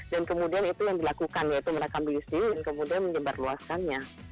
dan kemudian itu yang dilakukan yaitu merekam video sendiri dan kemudian menyebar luaskannya